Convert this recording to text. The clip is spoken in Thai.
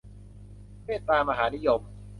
เมตตามหานิยม